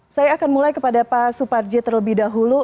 saya akan mulai kepada pak suparji terlebih dahulu